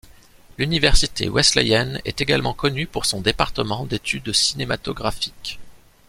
L'université Wesleyenne est également connue pour son Département d'études cinématographiques.